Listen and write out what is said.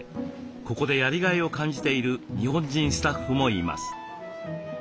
ここでやりがいを感じている日本人スタッフもいます。